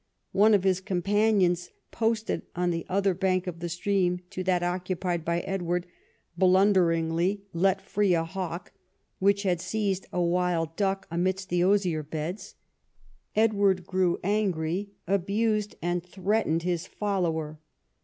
One of his companions, posted on the other bank of the stream to that occupied by Edward, blunderingly let free a hawk, which had seized a wild duck amidst the osier beds. Edward grew angry, abused and threatened his follower.